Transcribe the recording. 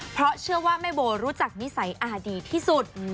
เพราะเชื่อว่าแม่โบรู้จักนิสัยอาดีที่สุด